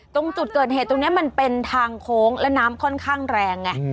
ตรงจุดเกิดเหตุตรงนี้มันเป็นทางโค้งและน้ำค่อนข้างแรงไง